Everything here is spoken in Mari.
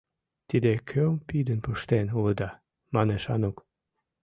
Тиде кӧм пидын пыштен улыда? — манеш Анук.